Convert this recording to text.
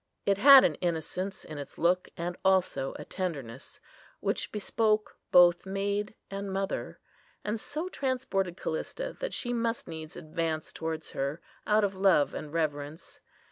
It had an innocence in its look, and also a tenderness, which bespoke both Maid and Mother, and so transported Callista, that she must needs advance towards her, out of love and reverence.